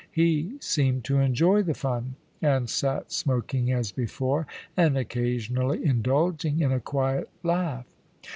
He seemed to enjoy the fun, and sat smoking as before, and occasionally indulging in a quiet laugh.